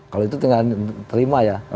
kalau itu tinggal terima ya